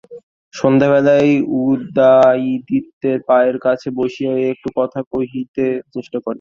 সন্ধ্যাবেলায় উদয়াদিত্যের পায়ের কাছে বসিয়া একটু কথা কহিতে চেষ্টা করে।